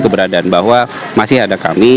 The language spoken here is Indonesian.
keberadaan bahwa masih ada kami